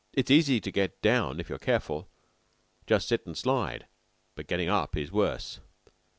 "It's easy to get down if you're careful just sit an' slide; but getting up is worse.